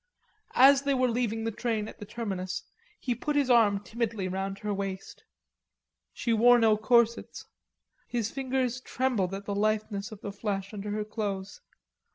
As they were leaving the train at the terminus, he put his arm timidly round her waist. She wore no corsets. His fingers trembled at the litheness of the flesh under her clothes.